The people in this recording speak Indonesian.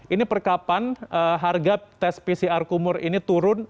ini perkapan harga tes pcr kumur ini turun